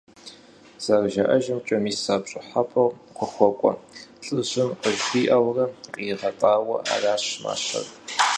Зэрыжаӏэжымкӏэ, мис а пщӏыхьэпӏэу къыхуэкӏуэ лӏыжьым къыжриӏэурэ къригъэтӏауэ аращ мащэр.